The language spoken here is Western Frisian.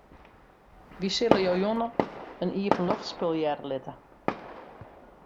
Wy sille jo jûn in iepenloftspul hearre litte.